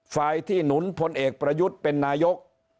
ฝ่ายที่หนุนพลเอกประยุทธ์เป็นนายก